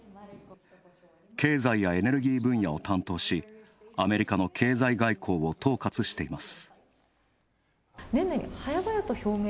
経済やエネルギー分野を担当しアメリカの経済外交を統括しています。